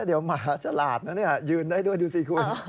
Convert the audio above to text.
เดี๋ยวหมาฉลาดนะเนี่ยยืนได้ด้วยดูสิคุณ